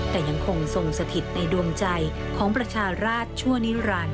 แต่ยังคงทรงสถิตในดวงใจของประชาราชชั่วนิรันดิ